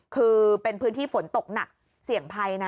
คือเป็นพื้นที่ฝนตกหนักเสี่ยงภัยนะ